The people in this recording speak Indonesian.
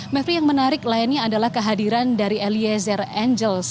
mevri yang menarik lainnya adalah kehadiran dari eliezer angels